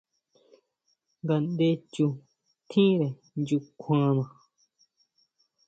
Ngaʼndé chu tjínre nyukjuana.